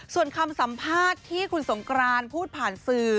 ส่วนคำสัมภาษณ์ที่คุณสงกรานพูดผ่านสื่อ